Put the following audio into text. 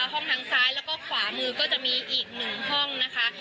ห้องทางซ้ายแล้วก็ขวามือก็จะมีอีกหนึ่งห้องนะคะ